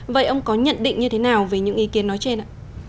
vậy ông có nhận định như thế nào về những ý kiến nói trên ạ